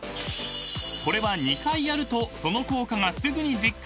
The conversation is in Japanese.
［これは２回やるとその効果がすぐに実感できちゃう